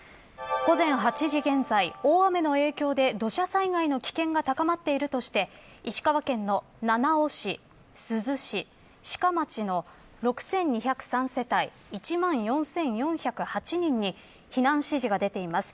午前８時現在、大雨の影響で土砂災害の危険が高まっているとして石川県の七尾市、珠洲市志賀町の６２０３世帯１万４４０８人に避難指示が出ています。